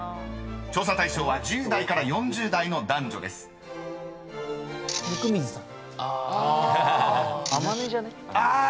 ［調査対象は１０代から４０代の男女です］あ。